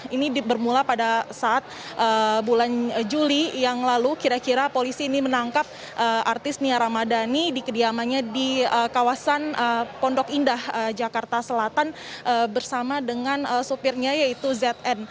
ini bermula pada saat bulan juli yang lalu kira kira polisi ini menangkap artis nia ramadhani di kediamannya di kawasan pondok indah jakarta selatan bersama dengan supirnya yaitu zn